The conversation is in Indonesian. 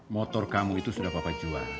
motor kamu itu sudah bapak jual